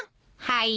はい。